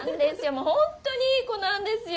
もうホントにいい子なんですよ